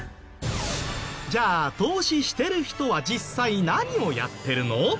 じゃあ投資してる人は実際何をやってるの？